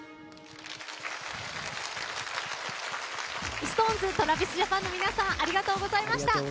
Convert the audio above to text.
ＳｉｘＴＯＮＥＳＴｒａｖｉｓＪａｐａｎの皆さんありがとうございました。